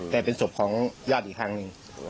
แต่เป็นศพของญาติอีกครั้งหนึ่ง